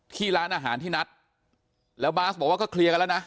ที่ร้านอาหารที่นัดแล้วบาสบอกว่าก็เคลียร์กันแล้วนะ